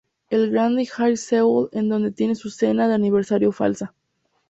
El Grand Hyatt Seoul es donde tienen su cena de aniversario falsa.